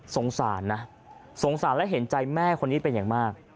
สงสารนะสงสารและเห็นใจแม่คนนี้เป็นอย่างมาก